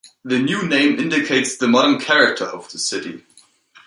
The new name indicates the modern character of this city.